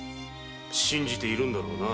信じているんだろうな。